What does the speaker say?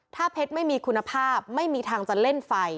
ถ้าเพชรไม่มีคุณภาพไม่มีทางจะเล่นไฟ